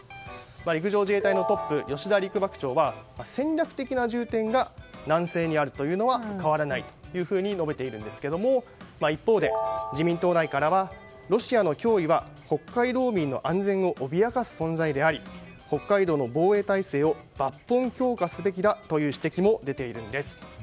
陸上自衛隊のトップ吉田陸幕長は戦略的な重点が南西にあるというのは変わらないと述べているんですけども一方で自民党内からはロシアの脅威は北海道民の安全を脅かす存在であり北海道の防衛体制を抜本強化すべきだという指摘も出ているんです。